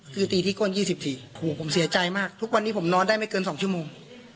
คือตีที่ก้น๒๔โหผมเสียใจมากทุกวันนี้ผมนอนได้ไม่เกิน๒ชั่วโมง